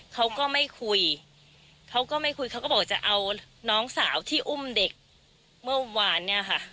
เขาก็ไม่คุยเขาก็ไม่คุยเขาก็บอกจะเอาน้องสาวที่อุ้มเด็กเมื่อวานเนี่ยค่ะ